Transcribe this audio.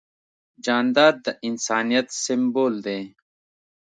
جانداد د انسانیت سمبول دی.